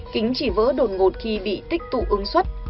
kính chỉ vỡ đột ngột khi bị tích tụ ứng xuất